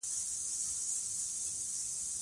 دې ناول په ادبیاتو کې مهمه پیښه رامنځته کړه.